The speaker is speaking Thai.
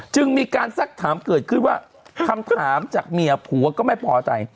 จึงมีการสักถามเกิดขึ้นว่าคำถามจากเมียผัวก็ไม่พอใจ